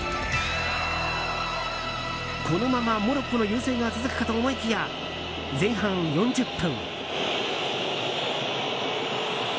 このままモロッコの優勢が続くかと思いきや前半４０分。